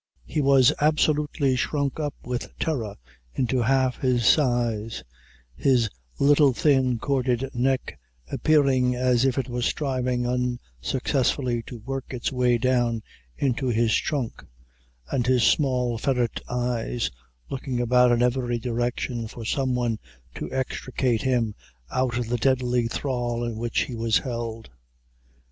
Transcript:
He was absolutely shrunk up with terror into half his size, his little thin, corded neck appearing as if it were striving unsuccessfully to work its way down into his trunk, and his small ferret eyes looking about in every direction for some one to extricate him out of the deadly thrall in which he was held.